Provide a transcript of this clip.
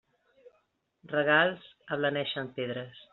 Regals ablaneixen pedres.